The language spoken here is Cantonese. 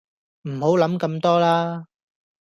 唔好諗咁多啦